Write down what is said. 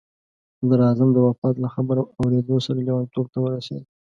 صدراعظم د وفات له خبر اورېدو سره لیونتوب ته ورسېد.